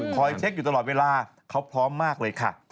คอยเช็คอยู่ตลอดเวลาเขาพร้อมมากเลยค่ะ